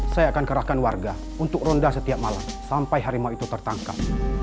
saya akan kerahkan warga untuk ronda setiap malam sampai harimau itu tertangkap